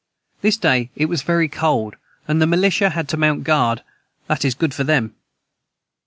This day it was very cold and the melitia had to mount guard that is good for them.